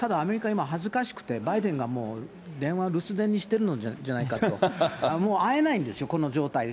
今、恥ずかしくて、バイデンがもう電話留守電にしてるんじゃないかと、もう会えないんですよ、この状態で。